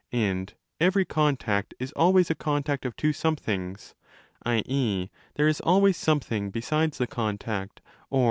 And every contact is always a contact of two somethings, i.e. there is always something besides the contact or the division or the point.